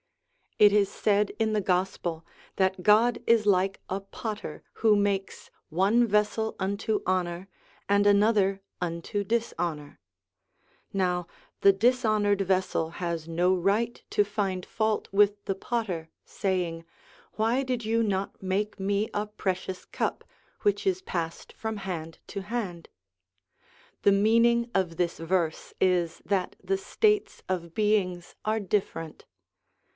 It is said in the Gospel, that God is like a potter who makes ' one vessel unto honour and another unto dis honour.' Now the dishonoured vessel has no right to find fault with the potter, saying, Why did you not make me a precious cup, which is passed from hand to hand ? The meaning of this verse is that the states of beings are different.